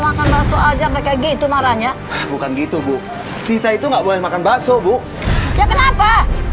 makan bakso aja pakai gitu marahnya bukan gitu bu kita itu nggak boleh makan bakso bu ya kenapa